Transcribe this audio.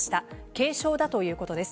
軽傷だということです。